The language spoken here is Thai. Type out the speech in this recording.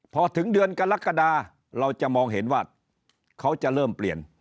พอถึงเดือนกรกฎาเราจะมองเห็นว่าเขาจะเริ่มเปลี่ยน